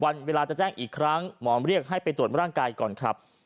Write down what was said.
วันเวลาจะแจ้งอีกครั้งหมอเรียกให้ไปตรวจร่างกายก่อนครับ